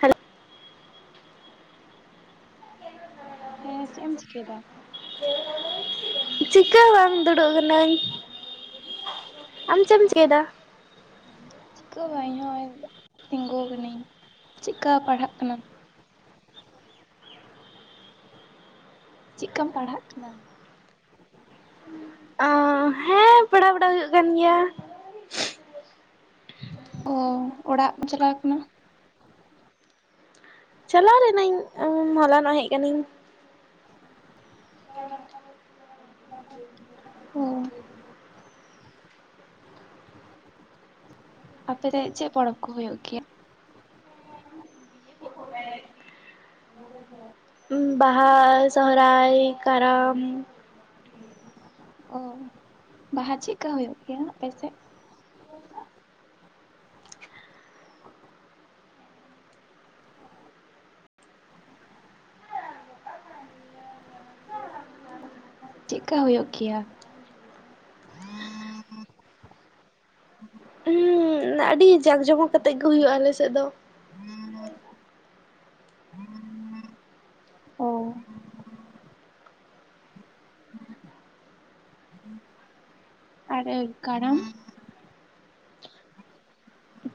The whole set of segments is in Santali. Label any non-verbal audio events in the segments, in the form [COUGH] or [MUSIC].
ᱦᱮᱞᱳ᱾ ᱦᱮᱸ ᱪᱮᱜ ᱮᱢ ᱪᱤᱠᱟᱹᱭᱫᱟ? ᱪᱮᱜ ᱦᱚᱸ ᱵᱟᱝ ᱜᱮ᱾ ᱪᱤᱠᱟᱹ ᱦᱚᱸ ᱵᱟᱝ ᱫᱩᱲᱩᱜ ᱠᱟᱹᱱᱟᱹᱧ᱾ ᱟᱢ ᱪᱮᱫ ᱮᱢ ᱪᱤᱠᱟᱹᱭᱮᱫᱟ? [UNINTELLIGIBLE] ᱪᱤᱠᱟᱹ ᱦᱚᱸ ᱵᱟᱝ ᱤᱧᱦᱚᱸ ᱚᱭ ᱛᱤᱸᱜᱩ ᱠᱟᱹᱱᱟᱹᱧ᱾ ᱪᱮᱫᱠᱟ ᱯᱟᱲᱦᱟᱜ ᱠᱟᱱᱟᱢ? ᱪᱮᱫᱠᱟᱢ ᱯᱟᱲᱦᱟᱜ ᱠᱟᱱᱟᱢ? ᱟᱸ ᱦᱮᱸ᱾ ᱯᱟᱲᱦᱟᱣ ᱵᱟᱲᱟ ᱦᱩᱭᱩᱜ ᱠᱟᱱ ᱜᱮᱭᱟ᱾ ᱚ ᱚᱲᱟᱜ [INAUDIBLE] ᱪᱟᱞᱟᱣ ᱠᱟᱱᱟ? ᱪᱟᱞᱟᱣ ᱞᱤᱱᱟᱹᱧ ᱩᱸᱢ ᱢᱟᱞᱟᱱᱚᱜ ᱦᱮᱡ ᱠᱟᱹᱱᱤᱧ᱾ ᱚ᱾ ᱟᱯᱮ ᱨᱮ ᱪᱮᱜ ᱯᱚᱨᱚᱵᱽ ᱠᱚ ᱦᱳᱭᱳᱜ ᱜᱮᱭᱟ? [INAUDIBLE] ᱵᱟᱦᱟ, ᱥᱚᱦᱚᱨᱟᱭ, ᱠᱟᱨᱟᱢ᱾ ᱚ᱾ ᱵᱟᱦᱟ ᱪᱮᱜᱠᱟ ᱦᱳᱭᱳᱜ ᱜᱮᱭᱟ ᱟᱯᱮᱥᱮᱡ? ᱪᱮᱜᱠᱟ ᱦᱳᱭᱳᱜ ᱜᱮᱭᱟ? ᱱᱟ ᱟᱹᱰᱤ ᱡᱟᱜ ᱡᱚᱢᱚᱠ ᱠᱟᱛᱮᱫ ᱜᱮ ᱦᱩᱭᱩᱜᱼᱟ ᱟᱞᱮᱥᱮᱫ ᱫᱚ᱾ [INAUDIBLE] [INAUDIBLE] ᱚ᱾ ᱟᱨ ᱮ ᱠᱟᱨᱟᱢ?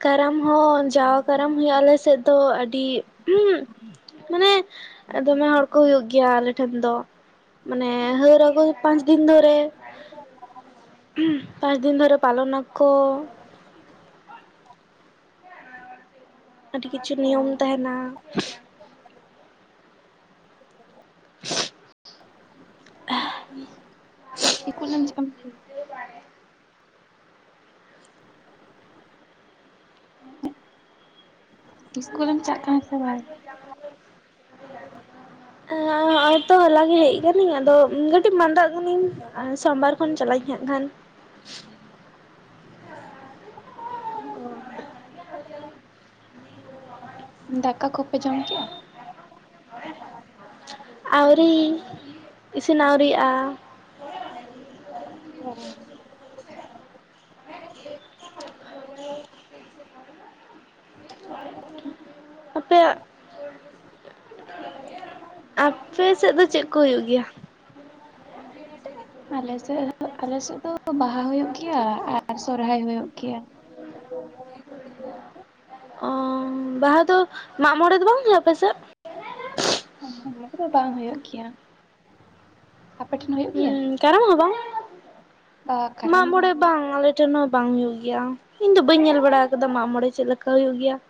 ᱠᱟᱨᱟᱢ ᱦᱚᱸ ᱡᱟᱣ ᱠᱟᱨᱟᱢ ᱦᱩᱭᱩᱜᱼᱟ ᱟᱞᱮ ᱥᱮᱫ ᱫᱚ ᱟᱹᱰᱤ ᱢᱟᱱᱮ ᱫᱚᱢᱮ ᱦᱚᱲ ᱠᱚ ᱦᱩᱭᱩᱜ ᱜᱮᱭᱟ ᱟᱞᱮ ᱴᱷᱮᱱ ᱫᱚ᱾ ᱢᱟᱱᱮ ᱦᱥᱹᱨ ᱟᱹᱜᱩ ᱜᱨ ᱯᱟᱸᱪ ᱫᱤᱱ ᱫᱷᱚᱨᱮ᱾ ᱯᱟᱸᱪ ᱫᱤᱱ ᱫᱷᱚᱨ ᱯᱟᱞᱚᱱᱟ ᱠᱚ᱾ ᱟᱹᱰᱤ ᱠᱤᱪᱷᱩ ᱱᱤᱭᱚᱢ ᱛᱟᱦᱮᱱᱟ᱾ [INAUDIBLE] ᱤᱥᱠᱩᱞᱮᱢ ᱤᱥᱠᱩᱞᱮᱢ ᱪᱟᱜ ᱠᱟᱱᱟ ᱥᱮ ᱵᱟᱝ? ᱦᱮᱸ ᱦᱚᱸᱜ-ᱚᱭ ᱛᱚ ᱦᱚᱞᱟ ᱜᱮ ᱦᱮᱡ ᱟᱠᱟᱱᱟᱹᱧ ᱟᱫᱚ ᱠᱟᱹᱴᱤᱡ ᱢᱟᱸᱫᱟᱜ ᱠᱟᱹᱱᱟᱹᱧ᱾ ᱟᱨ ᱥᱳᱢᱵᱟᱨ ᱠᱷᱚᱱ ᱪᱟᱞᱟᱜ ᱟᱹᱧ ᱦᱟᱸᱜ ᱠᱷᱟᱱ᱾ ᱚ ᱫᱟᱠᱟ ᱠᱚᱯᱮ ᱡᱚᱢ ᱠᱮᱜᱼᱟ? ᱟᱹᱣᱨᱤ᱾ ᱤᱥᱤᱱ ᱟᱹᱣᱨᱤᱣᱟᱜᱼᱟ᱾ ᱚ [UNINTELLIGIBLE] ᱟᱯᱮᱭᱟᱜ ᱟᱯᱮ ᱥᱮᱫ ᱫᱚ ᱪᱮᱫ ᱠᱚ ᱦᱩᱭᱩᱜ ᱜᱮᱭᱟ? ᱱ [UNINTELLIGIBLE] ᱟᱞᱮ ᱥᱮᱫ, ᱟᱞᱮ ᱥᱮᱫ ᱫᱚ ᱵᱟᱦᱟ ᱦᱩᱭᱩᱜ ᱜᱮᱭᱟ ᱟᱨ ᱥᱚᱨᱦᱟᱭ ᱦᱩᱭᱩᱜ ᱜᱮᱭᱟ ᱾ ᱦ [UNINTELLIGIBLE] ᱚ ᱵᱟᱦᱟ ᱫᱚ ᱢᱟᱜ ᱢᱚᱬᱮ ᱫᱚ ᱵᱟᱝ ᱦᱩᱭᱩᱜᱼᱟ ᱟᱯᱮ ᱥᱮᱫ? ᱚᱱᱟ ᱠᱚᱫᱚ ᱵᱟᱝ ᱦᱩᱭᱩᱜ ᱜᱮᱭᱟ ᱾ ᱟᱯᱮ ᱴᱷᱮᱱ ᱦᱩᱭᱩᱜ ᱦᱩᱸ ᱜᱮᱭᱟ? ᱠᱟᱨᱟᱢ ᱦᱚᱸ ᱵᱟᱝ ᱵᱟ ᱢᱟᱜ ᱠᱟᱨᱟᱢ ᱢᱚᱬᱮ ᱦᱩᱭᱩᱜ- ᱵᱟᱝ ᱟᱞᱮᱼᱼ ᱟᱞᱮ ᱴᱷᱮᱱ ᱦᱚᱸ ᱵᱟᱝ ᱦᱩᱭᱩᱜ ᱜᱮᱭᱟ, ᱤᱧ ᱫᱚ ᱵᱟᱹᱧ ᱧᱮᱞ ᱵᱟᱲᱟ ᱟᱠᱟᱫᱟ ᱢᱟᱜ ᱢᱚᱬᱮ ᱪᱮᱫ ᱞᱮᱠᱟ ᱦᱩᱭᱩᱜ ᱜᱮᱭᱟ ᱾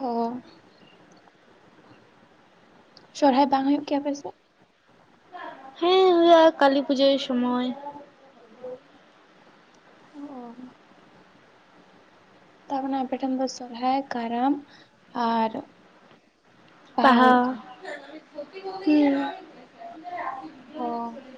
ᱚᱸ ᱥᱚᱨᱦᱟᱭ ᱵᱟᱝ ᱦᱩᱭᱩᱜ ᱜᱮᱭᱟ ᱟᱯᱟ ᱥᱮᱫ? ᱦᱮᱸ ᱦᱩᱭᱩᱜᱼᱟ ᱠᱟᱹᱞᱤ ᱯᱩᱡᱟᱹᱭ ᱥᱚᱢᱚᱭ ᱾ ᱚ ᱛᱟᱨᱢᱟᱱᱮ ᱟᱯᱮᱴᱷᱮᱱ ᱫᱚ ᱥᱚᱦᱨᱟᱭ ᱠᱟᱨᱟᱢ ᱟᱨᱼᱼ ᱵᱟᱦᱟ ᱦᱩᱸ ᱾ ᱦ [UNINTELLIGIBLE]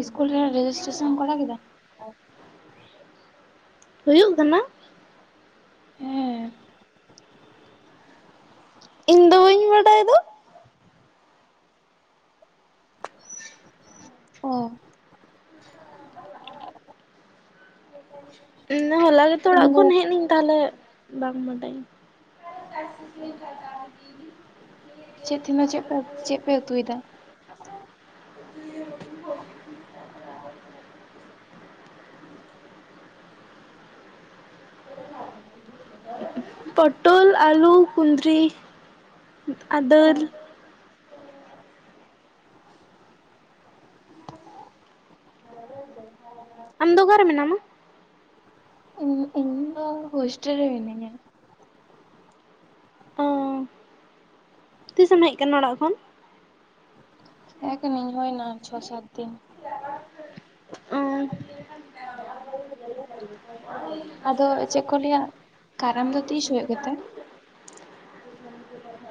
ᱤᱥᱠᱩᱞ ᱨᱮ ᱨᱮᱡᱤᱥᱴᱨᱮᱥᱚᱱ ᱮᱢ ᱠᱚᱨᱟᱣ ᱠᱮᱫᱟ? ᱦᱩᱭᱩᱜ ᱠᱟᱱᱟ ᱾ ᱦᱮᱸ ᱤᱧ ᱫᱚ ᱵᱟᱹᱧ ᱵᱟᱰᱟᱭ ᱫᱚ ᱾ ᱚ ᱤᱧ ᱫᱚ ᱦᱚᱞᱟ ᱜᱮᱛᱚ ᱛᱮᱦᱮᱧ ᱚᱲᱟᱜ ᱫᱚ ᱠᱷᱚᱱ ᱦᱮᱡ ᱮᱱᱟᱹᱧ ᱛᱟᱦᱞᱮ ᱾ ᱵᱟᱝ ᱵᱟᱰᱟᱭᱟᱹᱧ ᱾ ᱪᱮᱫ ᱫᱷᱤᱱᱟᱹᱜ ᱪᱮᱫ ᱯᱮ ᱪᱮᱫ ᱯᱮ ᱩᱛᱩᱭᱮᱫᱟ? [INAUDIBLE] ᱯᱚᱴᱚᱞ ᱟᱞᱩ ᱠᱸᱫᱽᱨᱤᱼᱼ ᱟᱨ ᱚ ᱫᱟᱹᱞ ᱾ ᱟᱢ ᱫᱚ ᱚᱠᱟᱨ ᱨᱮ ᱢᱮᱱᱟᱢᱟ? ᱤᱧ ᱤᱧ ᱫᱚ ᱼᱼ ᱦᱳᱥᱴᱮᱞ ᱨᱮ ᱢᱤᱱᱟᱧᱟ ᱾ ᱚ ᱛᱤᱥᱮᱢ ᱦᱮᱡ ᱟᱠᱟᱱᱟ ᱚᱲᱟᱜ ᱠᱷᱚᱱ? ᱦᱮᱡ ᱠᱟᱹᱱᱟᱹᱧ ᱦᱩᱭᱱᱟ ᱪᱷᱚ ᱥᱟᱛ ᱫᱤᱱ ᱾ ᱦᱮᱸ [UNINTELLIGIBLE] ᱟᱫᱚ ᱪᱮᱫ ᱠᱚ ᱞᱟᱹᱭᱟ, ᱠᱟᱨᱟᱢ ᱫᱚ ᱛᱤᱥ ᱦᱩᱭᱩᱜ ᱜᱮᱛᱮ ᱾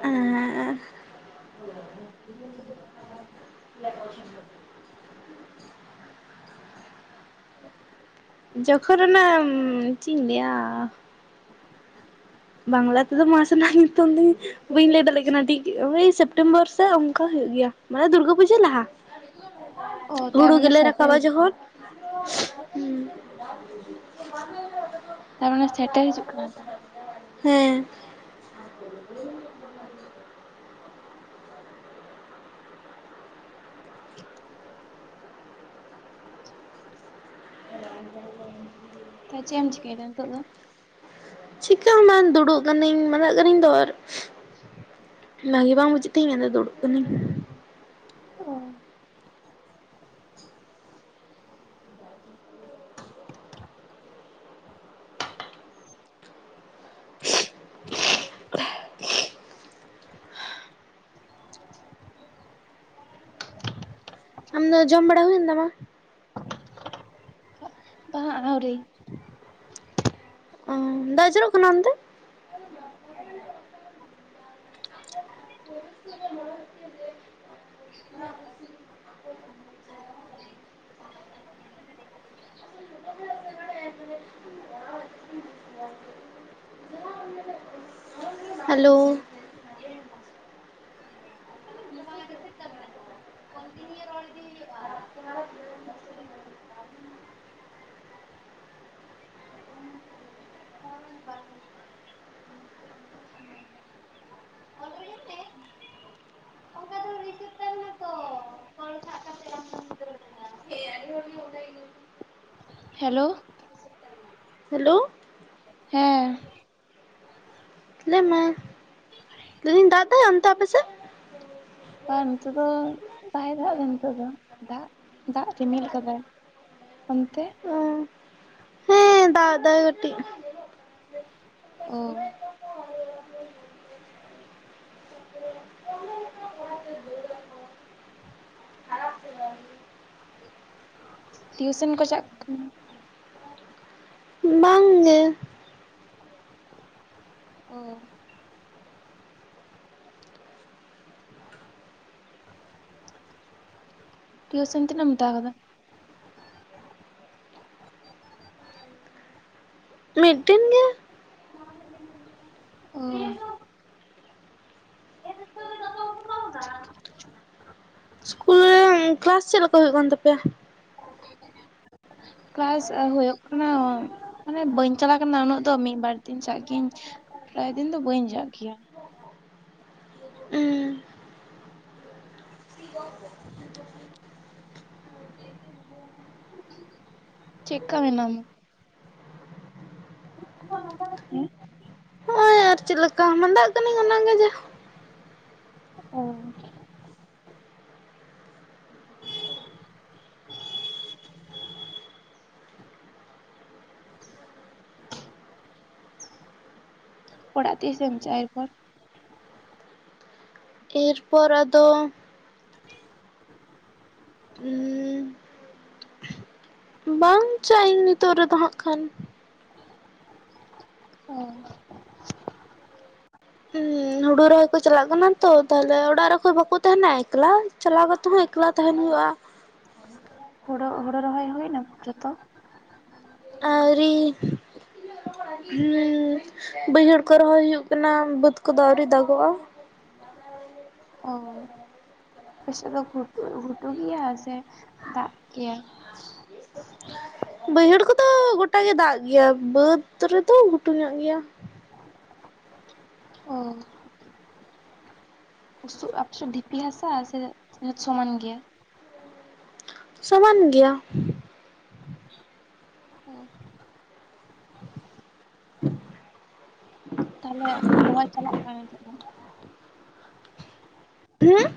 ᱮᱸ ᱡᱚᱠᱷᱚᱱ ᱨᱮᱱᱟᱜ ᱪᱮᱫ ᱤᱧ ᱞᱟᱹᱭᱟᱼᱼ ᱵᱟᱝᱞᱟ ᱛᱮ ᱫᱚ ᱢᱟᱥ ᱨᱮᱱᱟ ᱧᱩᱛᱩᱢ ᱞᱤᱧᱼᱼ ᱵᱟᱹᱧ ᱞᱟᱹᱭ ᱫᱟᱲᱮᱭᱟᱜ ᱠᱟᱱᱟ ᱴᱷᱤᱠ, ᱳᱭ ᱥᱮᱯᱴᱮᱢᱵᱚᱨ ᱥᱮ ᱚᱱᱠᱟ ᱦᱩᱭᱩᱜ ᱜᱮᱭᱟ ᱢᱟᱱᱮ ᱫᱩᱨᱜᱟᱹ ᱯᱩᱡᱟᱹ ᱞᱟᱦᱟ ᱾ ᱚ ᱦᱩᱲᱩ ᱛᱟᱨᱢᱟᱱᱮ ᱜᱮᱞᱮ ᱥᱮᱴᱮᱨ ᱨᱟᱠᱟᱵᱟ ᱦᱤᱡᱩᱜ ᱠᱟᱱᱟ ᱡᱚᱠᱷᱚᱱᱼᱼ ᱛᱟᱨᱢᱟᱱᱮ ᱥᱮᱴᱮᱨ ᱦᱤᱡᱩᱜ ᱠᱟᱱᱟ ᱛᱚ ᱾ ᱦᱮᱸ ᱾ [UNINTELLIGIBLE] ᱛᱟᱦᱮ ᱪᱮᱫ ᱮᱢ ᱪᱤᱠᱟᱹᱭ ᱮᱫᱟ ᱱᱤᱛᱚᱜ ᱫᱚ? ᱪᱤᱠᱟᱹ ᱦᱚᱸ ᱵᱟᱝ ᱫᱩᱲᱩᱵ ᱠᱟᱹᱱᱟᱹᱧ ᱢᱟᱫᱟᱜ ᱠᱟᱹᱱᱟᱹᱧ ᱫᱚ ᱟᱨ ᱾ ᱵᱷᱟᱜᱮ ᱵᱟᱝ ᱵᱩᱡᱮᱫ ᱛᱮᱧ ᱫᱩᱲᱩᱵ ᱠᱟᱱᱟᱧ ᱾ ᱚ ᱾ ᱟᱢᱫᱚ ᱡᱚᱢ ᱵᱟᱲᱟ ᱦᱩᱭ ᱮᱱ ᱛᱟᱢᱟ? ᱟᱦᱣᱨᱤ ᱾ ᱚ, ᱫᱟᱜ ᱡᱩᱨᱚᱜ ᱠᱟᱱᱟ ᱚᱱᱛᱮ? [UNINTELLIGIBLE] [UNINTELLIGIBLE] ᱤᱧᱟᱜ ᱠᱩᱠᱞᱤ [UNINTELLIGIBLE] [UNINTELLIGIBLE] [UNINTELLIGIBLE] [INAUDIBLE] ᱦᱮᱞᱳ ᱾ [UNINTELLIGIBLE] ᱛᱟᱵᱤᱱ ᱟᱠᱚ, ᱠᱚᱱᱴᱤᱱᱤᱭᱩ ᱨᱚᱲ ᱤᱫᱤ ᱦᱩᱭᱩᱜ-ᱟ ᱾ ᱟ ᱻ [UNINTELLIGIBLE] [UNINTELLIGIBLE] ᱵᱟᱝ ᱾ ᱟᱹᱰᱤ ᱦᱚᱲ ᱜᱮ ᱚᱰᱮ ᱜᱮ ᱦᱮᱞᱳ ᱾ ᱦᱮᱞᱳ ᱾ ᱦᱮᱸᱻ ᱞᱟᱹᱭ ᱢᱮ ᱾ [INAUDIBLE] ᱞᱟᱹᱭ ᱤᱫᱤᱧ ᱫᱟᱜ ᱮᱫᱟᱭ ᱚᱱᱛᱮ ᱟᱯᱮ ᱥᱮᱫ? ᱵᱟ ᱱᱤᱛᱳᱜ ᱫᱚ ᱵᱟᱭ ᱫᱟᱜ ᱮ ᱱᱤᱛᱳᱜ ᱫᱚ ᱫᱟᱜ ᱫᱟᱜ ᱨᱤᱢᱤᱞ ᱟᱠᱟᱫᱟᱭ ᱾ ᱚᱱᱛᱮ? ᱚ ᱾ [INAUDIBLE] ᱦᱮᱸ ᱫᱟᱜ ᱮᱫᱟᱭ ᱠᱟᱹᱴᱤᱡ ᱾ ᱚᱻ ᱴᱤᱭᱩᱥᱮᱱ ᱠᱚ ᱪᱟᱜ ᱠᱟᱱᱟ? ᱵᱟᱝ ᱜᱮ ᱾ ᱚ ᱾ ᱴᱤᱭᱩᱥᱚᱱ ᱛᱤᱱᱟᱹᱜ ᱮᱢ ᱦᱟᱛᱟᱣ ᱟᱠᱟᱫᱟ? ᱢᱤᱫ ᱴᱮᱱ ᱜᱮ ᱾ ᱚᱻ ᱥᱠᱩᱞ ᱨᱮ ᱠᱮᱞᱟᱥ ᱪᱮᱫ ᱞᱮᱠᱟ ᱦᱩᱭᱩᱜ ᱠᱟᱱ ᱛᱟᱯᱮᱭᱟ? [INAUDIBLE] ᱠᱮᱞᱟᱥ ᱦᱩᱭᱩᱜ ᱠᱟᱱᱟ, ᱢᱟᱱᱮ ᱵᱟᱹᱧ ᱪᱟᱞᱟᱜ ᱠᱟᱱᱟ ᱩᱱᱟᱹᱜ ᱫᱚ ᱢᱤᱫ ᱵᱟᱨ ᱫᱤᱱ ᱪᱟᱜ ᱜᱤᱭᱟᱹᱧ ᱾ ᱯᱨᱟᱭ ᱫᱤᱱ ᱫᱚ ᱵᱟᱹᱧ ᱪᱟᱜ ᱜᱮᱭᱟ ᱾ ᱦᱚᱸᱜᱼᱚᱭ ᱪᱮᱫᱠᱟ ᱢᱮᱱᱟᱢᱟ? ᱦᱮᱸ ᱟᱨ ᱪᱮᱫ ᱞᱮᱠᱟ ᱢᱟᱫᱟᱜ ᱠᱟᱹᱱᱟᱹᱧ ᱚᱱᱟ ᱜᱮ ᱡᱟ ᱾ ᱚᱻ ᱚᱲᱟᱜ ᱛᱤᱥ ᱮᱢ ᱪᱟᱜ-ᱟ ᱮᱨᱯᱚᱨ? ᱮᱨᱯᱚᱨ ᱟᱫᱚ ᱩᱸᱻ ᱵᱟᱝ ᱪᱟᱜ ᱤᱧ ᱱᱤᱛᱚᱜ ᱨᱮᱫᱚ ᱦᱟᱸᱜ ᱠᱷᱟᱱ ᱾ ᱚ ᱦᱩᱲᱩ ᱨᱚᱭ ᱠᱚ ᱪᱟᱞᱟᱜ ᱠᱟᱱᱟ ᱛᱚ ᱛᱟᱦᱚᱞᱮ ᱚᱲᱟᱜ ᱨᱮ ᱚᱠᱚᱭ ᱦᱚᱸ ᱵᱟᱠᱚ ᱛᱟᱦᱮᱸᱱᱟ ᱾ ᱮᱠᱞᱟ ᱪᱟᱞᱟᱣ ᱠᱟᱛᱮ ᱦᱚᱸ ᱮᱠᱞᱟ ᱛᱟᱦᱮᱸᱱ ᱦᱩᱭᱩᱜ-ᱟ ᱾ ᱦᱳᱲᱳ ᱦᱳᱲᱳ ᱨᱚᱦᱚᱭ ᱦᱩᱭ ᱮᱱᱟ ᱡᱷᱚᱛᱚ? ᱟᱹᱣᱨᱤᱻ [INAUDIBLE] ᱦᱩᱸ ᱵᱟᱹᱭᱦᱟᱹᱲ ᱠᱚ ᱨᱚᱦᱚᱭ ᱦᱩᱭᱩᱜ ᱠᱟᱱᱟ ᱵᱟᱹᱫᱽ ᱠᱚᱫᱚ ᱟᱹᱣᱨᱤ ᱫᱟᱜᱚᱜ-ᱟ ᱾ ᱚᱻ ᱟᱯᱮ ᱥᱮᱫ ᱫᱚ ᱜᱷᱩᱴᱩ ᱜᱷᱩᱴᱩ ᱜᱮᱭᱟ ᱥᱮ ᱫᱟᱜ ᱜᱮᱭᱟ? ᱵᱟᱹᱭᱦᱟᱹᱲ ᱠᱚᱫᱚ ᱜᱚᱴᱟ ᱜᱮ ᱫᱟᱜ ᱜᱮᱭᱟ ᱵᱟᱹᱫᱽ ᱨᱮᱫᱚ ᱜᱷᱩᱴᱩ ᱧᱚᱜ ᱜᱮᱭᱟ ᱾ ᱚᱻ ᱰᱷᱤᱯᱤ ᱦᱟᱥᱟ ᱥᱮ ᱥᱚᱢᱟᱱ ᱜᱮᱭᱟ? ᱥᱚᱢᱟᱱ ᱜᱮᱭᱟ᱾ ᱚ ᱛᱟᱦᱞᱮ ᱨᱚᱦᱚᱭ ᱪᱟᱞᱟᱜ ᱠᱟᱱ ᱛᱚ? ᱦᱩᱸ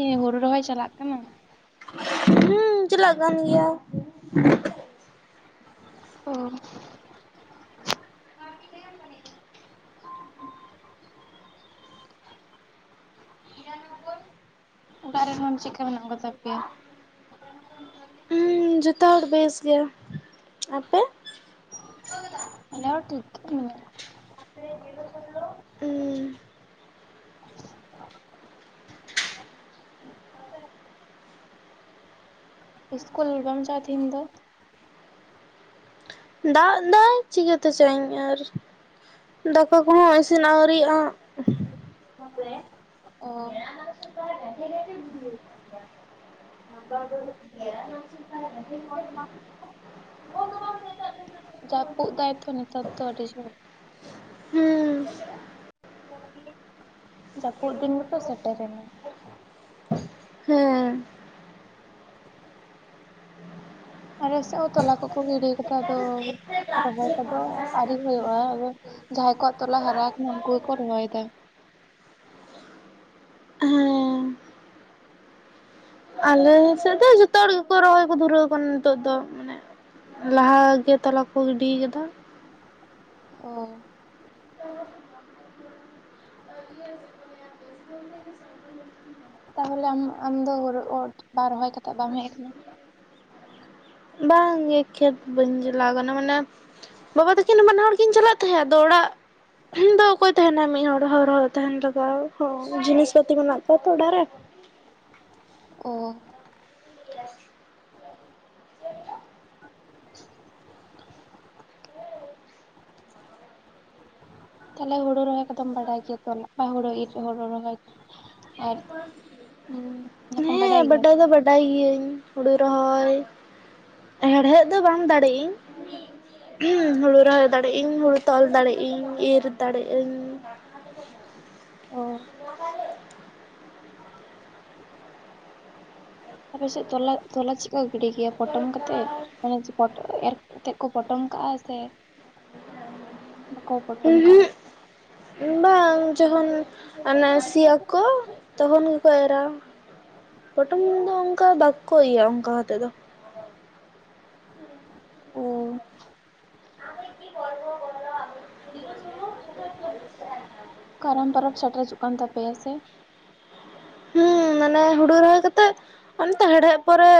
ᱦᱮᱸ ᱦᱳᱲᱩ ᱨᱚᱦᱚᱭ ᱪᱟᱞᱟᱜ ᱠᱟᱱᱟ? ᱦᱩᱸ ᱪᱟᱞᱟᱜ ᱠᱟᱱ ᱜᱮᱭᱟ᱾ ᱚ ᱟᱨ ᱠᱤ ᱧ ᱵᱟ [UNINTELLIGIBLE] ᱚᱲᱟᱜ ᱦᱚᱲ ᱪᱮᱫᱠᱟ ᱢᱮᱱᱟᱜ ᱠᱚᱛᱟ ᱯᱮᱭᱟ? [UNINTELLIGIBLE] ᱦᱩᱸ ᱡᱚᱛᱷᱚ ᱦᱚᱲ ᱵᱮᱥ ᱜᱮ, ᱟᱯᱮ ᱥ ᱫ [UNINTELLIGIBLE] ᱟᱞᱮ ᱦᱚ ᱴᱷᱤᱠ ᱜᱮ ᱦᱩᱸ ᱤᱥᱠᱩᱞ ᱵᱟᱢ ᱪᱟᱞᱟᱜ ᱟ ᱛᱮᱦᱮᱧ ᱫᱚ ᱫᱟᱜ ᱫᱟᱭ ᱪᱤᱠᱟᱹᱛᱮ ᱪᱟᱜ ᱤᱞ ᱟᱨ ᱫᱟᱠᱟ ᱾ᱠᱚᱦᱚᱸ ᱤᱥᱤᱱ ᱟᱹᱣᱨᱤᱤᱭᱜᱼᱟ᱾ ᱚ ᱡᱟᱯᱩᱫ ᱮᱫᱟᱭ ᱛᱚ ᱱᱮᱛᱟᱨ ᱫᱚ ᱟᱹᱰᱤ ᱡᱳᱨ᱾ ᱦᱩᱸ [UNINTELLIGIBLE] ᱡᱟᱹᱯᱩᱫ ᱫᱤᱱ ᱜᱮᱛᱚ ᱥᱮᱴᱮᱨᱮᱱᱟ᱾ ᱦᱮᱸ ᱟᱞᱮ ᱥᱮᱫ ᱦᱚᱸ ᱛᱚᱞᱟ ᱠᱚ-ᱠᱚ ᱜᱤᱰᱤ ᱠᱟᱫᱟ ᱟᱫᱚ ᱨᱚᱦᱚᱭ ᱠᱚᱫᱚ ᱟᱣᱨᱤ ᱦᱩᱭᱩᱜᱼᱟ᱾ ᱟᱫᱚ ᱡᱟᱦᱟᱸᱭ ᱠᱚ ᱟᱜ ᱛᱚᱞᱟ ᱦᱟᱨᱟ ᱟᱠᱟᱱᱟ ᱩᱱᱠᱩ ᱜᱮᱠᱚ ᱨᱚᱦᱚᱭᱮᱫᱟ᱾ ᱦᱮᱸ ᱟᱞᱮ ᱥᱮᱫ ᱫᱚ ᱡᱚᱛᱚ ᱦᱚᱲ ᱜᱮᱠᱚ ᱨᱚᱦᱚᱭ ᱠᱚ ᱫᱷᱽᱩᱨᱟᱹᱣ ᱠᱟᱱᱟ᱾ ᱱᱤᱛᱚᱜ ᱫᱚ ᱢᱟᱱᱮ ᱞᱟᱦᱟ ᱜᱮ ᱛᱳᱞᱟ ᱠᱚ ᱜᱤᱰᱤ ᱟᱠᱟᱫᱟ᱾ ᱚ ᱛᱟᱦᱚᱞᱮ ᱟᱢ ᱟᱢᱫᱚ ᱵᱟᱝ ᱨᱚᱦᱚᱭ ᱠᱟᱛᱮ ᱵᱟᱢ ᱦᱮᱡ ᱟᱠᱟᱱᱟ? ᱵᱟᱝᱜᱮ ᱠᱷᱮᱛ ᱵᱟᱹᱧ ᱪᱟᱞᱟᱣ ᱠᱟᱱᱟ᱾ ᱢᱟᱱᱮ ᱵᱟᱵᱟ ᱛᱟᱹᱠᱤᱱ ᱵᱟᱱᱟ ᱦᱚᱲ ᱠᱤᱱ ᱪᱟᱞᱟᱜ ᱛᱟᱦᱮᱸᱫ, ᱟᱫᱚ ᱚᱲᱟᱜ ᱫᱚ ᱚᱠᱚᱭ ᱛᱟᱦᱮᱱᱟ ᱢᱤᱫ ᱦᱚᱲᱚᱲ ᱦᱚᱨ ᱦᱚᱨ ᱛᱟᱦᱮᱱ ᱞᱟᱜᱟᱼᱜ ᱡᱤᱱᱤᱥ ᱯᱟᱛᱤ ᱢᱮᱱᱟᱜ ᱠᱚᱣᱟ ᱾ ᱛᱚ ᱚᱲᱟᱜ ᱨᱮ ᱚ ᱛᱟᱦᱚᱞᱮ ᱦᱳᱲᱩ ᱨᱚᱦᱚᱭ ᱠᱚᱫᱚᱢ ᱵᱟᱰᱟᱭ ᱜᱮᱭᱟ᱾ ᱛᱚ ᱦᱩᱲᱩ ᱤᱨ ᱦᱩᱲᱩ ᱨᱚᱦᱚᱭ ᱟᱨ ᱚᱱᱟ ᱠᱚᱢ ᱦᱮᱸ ᱜᱮᱭᱟ ᱵᱟᱰᱟᱭ ᱫᱚ ᱵᱟᱰ ᱵᱟᱰᱟᱭ ᱜᱤᱭᱟᱹᱧ ᱦᱳᱲᱳ ᱨᱚᱦᱚᱭ, ᱦᱮᱲᱦᱮᱫ ᱫᱚ ᱵᱟᱝ ᱫᱟᱲᱮᱟᱜ ᱤᱧ᱾ ᱦᱩᱲᱩ ᱨᱚᱦᱚᱭ ᱫᱟᱲᱮᱜᱭᱟᱜ ᱤᱧ, ᱦᱩᱲᱩ ᱛᱚᱞ ᱫᱟᱲᱮᱜ ᱤᱧ, ᱤᱨᱻ ᱫᱟᱲᱮᱜᱭᱟᱜ ᱟᱹᱧ᱾ ᱚ ᱛᱯᱮᱥᱮᱫ ᱛᱚᱞᱟ - ᱛᱚᱞᱟ ᱪᱮᱫ ᱠᱚ ᱜᱤᱰᱤ ᱜᱮᱭᱟ᱾ ᱯᱚᱴᱚᱢ ᱠᱟᱛᱮᱮᱫ ᱢᱟᱱᱮ ᱯᱚᱴ ᱮᱨ ᱠᱟᱛᱮᱜ ᱠᱚ ᱯᱚᱴᱚᱢ ᱠᱟᱜᱼᱟ ᱥᱮ ᱵᱟᱠᱚ ᱯᱚᱴᱚᱢ ᱠᱟᱜ ᱟ᱾ ᱩᱦᱩᱜ ᱵᱟᱝ ᱡᱚᱠᱷᱚᱱ ᱚᱱᱮ ᱥᱤᱭᱟ ᱠᱚ ᱛᱚᱠᱷᱚᱱ ᱜᱮᱠᱚ ᱮᱨᱟ, ᱯᱚᱴᱚᱢ ᱫᱚ ᱚᱱᱠᱟ ᱵᱟᱠᱚ ᱤᱭᱟ ᱾ᱚᱱᱠᱟᱛᱮᱫ ᱫᱚ᱾ ᱚ ᱠᱟᱨᱟᱢ ᱛᱚᱨᱚ ᱥᱮᱴᱮᱨ ᱦᱚᱪᱚᱜ ᱠᱟᱱ ᱛᱟᱯᱮᱭᱟ ᱥᱮ ᱦᱩᱸ ᱢᱟᱱᱮ ᱦᱩᱲᱩ ᱨᱚᱦᱚᱭ ᱠᱟᱛᱮᱜ, ᱚᱱᱛᱮ ᱦᱮᱲᱦᱮᱫ ᱯᱚᱨᱮ